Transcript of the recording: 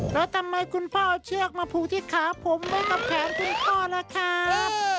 แล้วทำไมคุณพ่อเอาเชือกมาผูกที่ขาผมไว้กับแขนคุณพ่อล่ะครับ